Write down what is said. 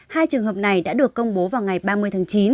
hai trường hợp này đã được công bố vào ngày ba mươi tháng chín